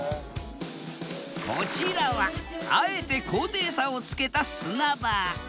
こちらはあえて高低差をつけた砂場。